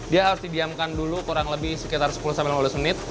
dia harus didiamkan dulu kurang lebih sekitar sepuluh sampai lima belas menit